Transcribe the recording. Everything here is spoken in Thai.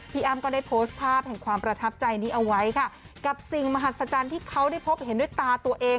อ้ำก็ได้โพสต์ภาพแห่งความประทับใจนี้เอาไว้ค่ะกับสิ่งมหัศจรรย์ที่เขาได้พบเห็นด้วยตาตัวเอง